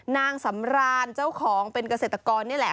นางสำรานเจ้าของเป็นเกษตรกรนี่แหละ